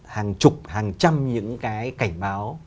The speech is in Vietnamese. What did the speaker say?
hàng chục hàng trăm những cái cảnh báo